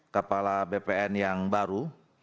kepala bpn yang baru